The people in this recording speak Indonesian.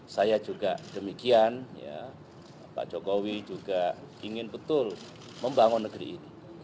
saya juga demikian pak jokowi juga ingin betul membangun negeri ini